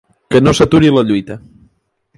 Que no s’aturi la lluita!